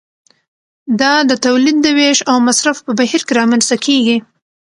دا د تولید د ویش او مصرف په بهیر کې رامنځته کیږي.